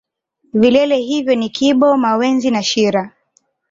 vilele hivyo ni kibo mawenzi na shira